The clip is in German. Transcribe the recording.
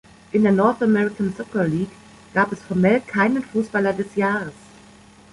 In der North American Soccer League gab es formell keinen "Fußballer des Jahres".